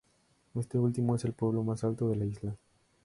Este último es el pueblo más alto de la isla.